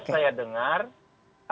kalau yang di luar itu